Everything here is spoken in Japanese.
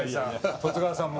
十津川さんも。